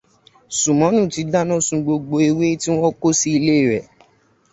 Sùnmọ́nù ti dáná sun gbogbo ewé tí wọ́n kó sí ilé rẹ̀